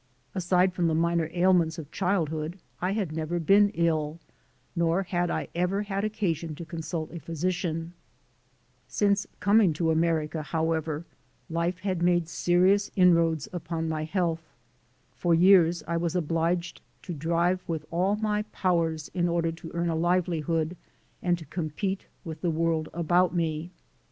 Aside from the minor ailments of childhood I had never been ill, nor had I ever had occasion to consult a physician. Since coming to America, I SUFFEB SERIOUS LOSSES 187 however, life had made serious inroads upon my health. For years I was obliged to drive with all my powers in order to earn a livelihood and to com pete with the world about me.